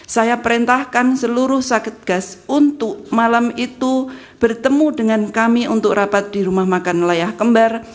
saya perintahkan seluruh sakit gas untuk malam itu bertemu dengan kami untuk rapat di rumah makan layah kembar